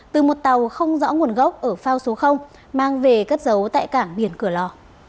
từ một tàu không rõ nguồn gốc ở phao số mang về cất giấu tại cảng biển cửa lò